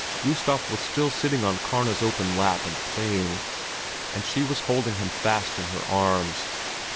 Gustav was still sitting on Karna's open lap and playing, and she was holding him fast in her arms.